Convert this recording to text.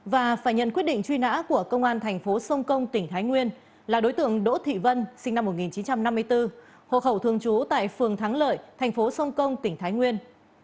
và phải nhận quyết định truy nã của công an thành phố sông công tỉnh thái nguyên là đối tượng đỗ thị vân sinh năm một nghìn chín trăm năm mươi bốn hộ khẩu thường trú tại phường thắng lợi thành phố sông công tỉnh thái nguyên